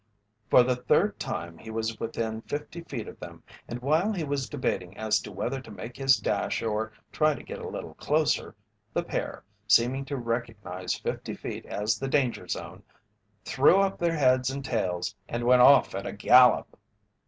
For the third time he was within fifty feet of them, and while he was debating as to whether to make his dash or try to get a little closer, the pair, seeming to recognize fifty feet as the danger zone, threw up their heads and tails and went off at a gallop.